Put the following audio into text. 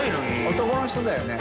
男の人だよね。